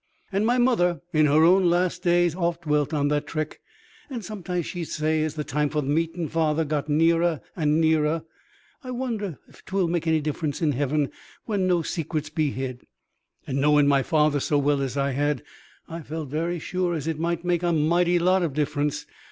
And my mother, in her own last days, oft dwelt on that trick; and sometimes she'd say, as the time for meeting father got nearer and nearer, "I wonder if 'twill make any difference in heaven, where no secrets be hid?" And, knowing father so well as I had, I felt very sure as it might make a mighty lot of difference.